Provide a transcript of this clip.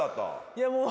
いやもう。